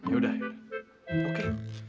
ya udah oke